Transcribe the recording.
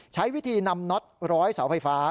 ใช้วิธีนำน็อตร้อยเสาไฟฟ้า